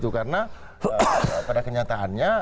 karena pada kenyataannya